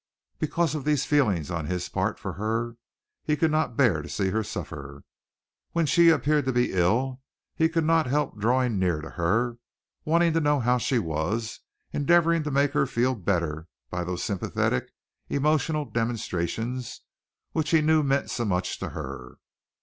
Because of these feelings on his part for her he could not bear to see her suffer. When she appeared to be ill he could not help drawing near to her, wanting to know how she was, endeavoring to make her feel better by those sympathetic, emotional demonstrations which he knew meant so much to her.